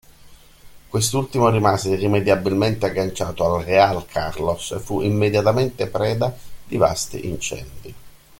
Quest’ultimo rimase irrimediabilmente agganciato al "Real Carlos" e fu immediatamente preda di vasti incendi.